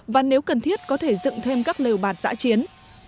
và nếu cần thiết có thể dựng thêm các lều bạt giã chiến